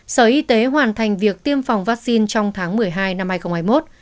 sở y tế hoàn thành việc tiêm phòng vaccine trong tháng một mươi hai năm hai nghìn hai mươi một